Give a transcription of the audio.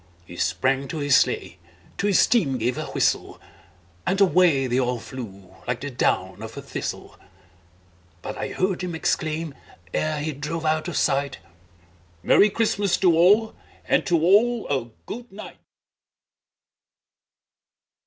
He sprang to his sleigh, to his team gave a whistle, And away they all flew like the down of a thistle; But I heard him exclaim, ere he drove out of sight, "Merry Christmas to all, and to all a good night!"